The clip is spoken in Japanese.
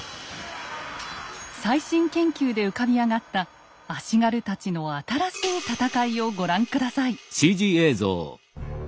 最新研究で浮かび上がった足軽たちの新しい戦いをご覧下さい。